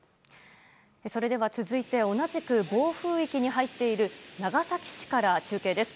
それでは続いて同じく暴風域に入っている長崎市から中継です。